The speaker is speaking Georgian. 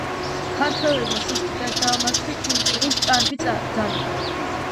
ქართველებმა სასტიკად დაამარცხეს მტრის ჭარბი ძალები.